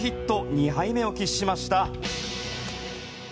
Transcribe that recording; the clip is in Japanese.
２敗目を喫しました。